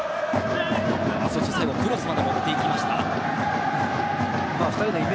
そして最後クロスまで持っていった上田綺世。